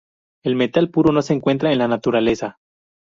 El metal puro no se encuentra en la naturaleza.